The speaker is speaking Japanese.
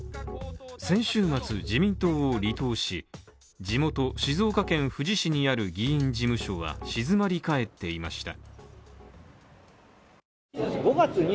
先週末自民党を離党し、地元静岡県富士市にある議員事務所は静まり返っていました。